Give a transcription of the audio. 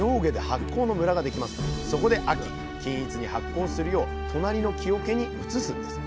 そこで秋均一に発酵するよう隣の木おけに移すんです。